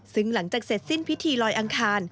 ซึ่งหลังจากเสร็จสิ้นพิธีลอยอังคาร